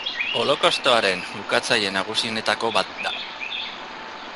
Holokaustoaren ukatzaile nagusienetako bat da.